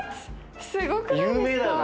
すごくないですか。